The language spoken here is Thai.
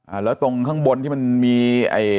แล้วตรงข้างบนที่มันมีไอ้